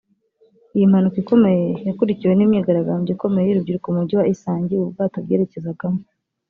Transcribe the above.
Iyi mpanuka ikomeye yakurikiwe n’imyigaragambyo ikomeye y’urubyiruko mu mujyi wa Isangi ubu bwato bwerekezagamo